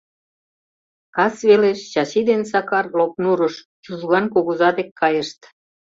Кас велеш Чачи ден Сакар Лопнурыш, Чужган кугыза дек кайышт.